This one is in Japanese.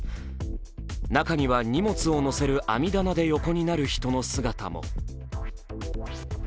中には荷物を載せる網棚で横になる人の姿も。